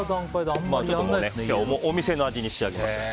今日はお店の味に仕上げます。